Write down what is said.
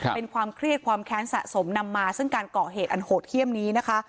เป็นความเครียดความแค้นสะสมนำมาซึ่งการก่อเหตุอันโหดเขี้ยมนี้นะคะ